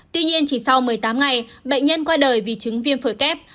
tuy nhiên chỉ sau một mươi tám ngày bệnh nhân qua đời vì chứng viêm phổi kép